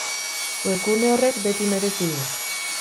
Webgune horrek beti merezi du.